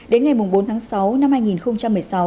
đến ngày bốn tháng sáu năm hai nghìn một mươi sáu